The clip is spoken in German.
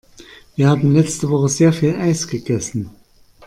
Wir haben letzte Woche sehr viel Eis gegessen.